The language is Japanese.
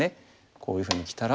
こういうふうにきたら。